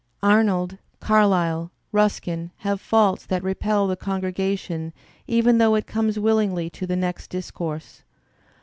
Arnold, Carlyle, Ruskin have faults that repel the congr^ation even though it comes willingly to the next discourse.